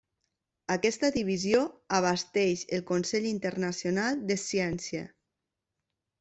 Aquesta divisió abasteix el Consell Internacional de Ciència.